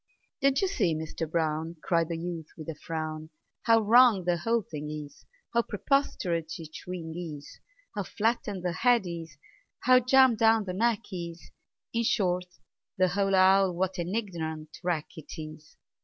"Don't you see, Mister Brown," Cried the youth, with a frown, "How wrong the whole thing is, How preposterous each wing is, How flattened the head is, how jammed down the neck is In short, the whole owl, what an ignorant wreck 't is!